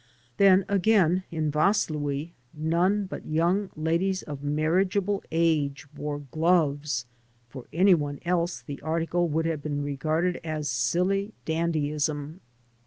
Then, again, in Vaslui none but yoimg ladies of marriageable age wore gloves; for any one else the article would have been regarded as silly dandyism.